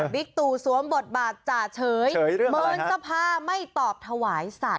ตู่สวมบทบาทจ่าเฉยเมินสภาไม่ตอบถวายสัตว